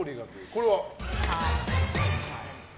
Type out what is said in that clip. これは？